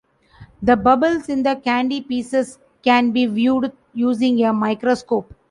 The bubbles in the candy pieces can be viewed using a microscope.